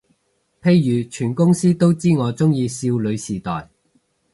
譬如全公司都知我鍾意少女時代